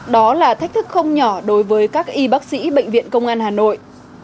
đó là thách thức không nhỏ đối với các y bác sĩ bệnh viện công an hà nội